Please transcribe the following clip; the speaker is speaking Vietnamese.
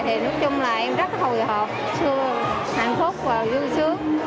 thì nói chung là em rất hồi hộp sương hạnh phúc và vui sướng